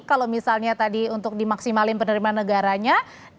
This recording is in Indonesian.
kalau misalnya tadi untuk dimaksimalin penerimaan negaranya